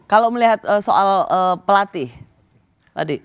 kalau melihat soal pelatih tadi